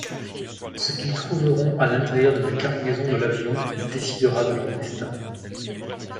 Ce qu'ils trouveront à l'intérieur de la cargaison de l'avion décidera de leur destin...